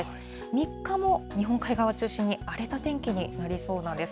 ３日も日本海側中心に荒れた天気になりそうなんです。